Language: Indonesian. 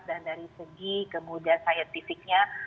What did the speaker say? dan dari segi kemudian sains fisiknya